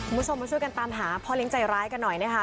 คุณผู้ชมมาช่วยกันตามหาพ่อเลี้ยงใจร้ายกันหน่อยนะคะ